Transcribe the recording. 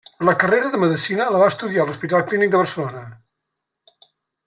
La carrera de medicina la va estudiar a l'Hospital Clínic de Barcelona.